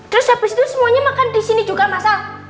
terus abis itu semuanya makan disini juga mas al